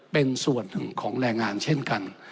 เป็นส่วนหนึ่งของแรงงานเช่นกัน